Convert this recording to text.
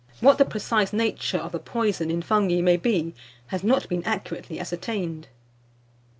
What the precise nature of the poison in fungi may be, has not been accurately ascertained.